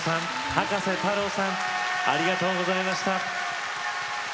葉加瀬太郎さんありがとうございました。